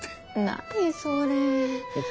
何それ。